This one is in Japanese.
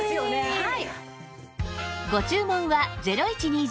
はい。